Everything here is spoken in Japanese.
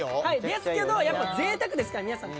ですけどやっぱり贅沢ですから皆さん。